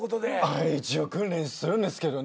はい一応訓練するんですけどね。